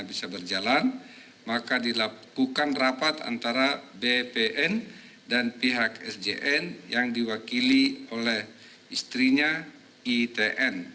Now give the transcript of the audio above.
bisa berjalan maka dilakukan rapat antara bpn dan pihak sjn yang diwakili oleh istrinya itn